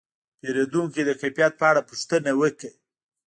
پیرودونکی د کیفیت په اړه پوښتنه وکړه.